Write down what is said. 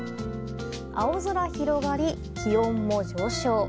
青空広がり、気温も上昇。